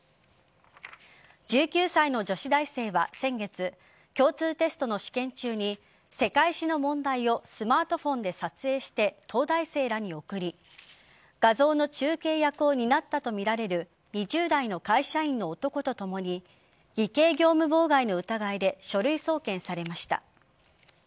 １９歳の女子大生は先月共通テストの試験中に世界史の問題をスマートフォンで撮影して東大生らに送り画像の中継役を担ったとみられる２０代の会社員の男とともに偽計業務妨害の疑いで書類送検されました。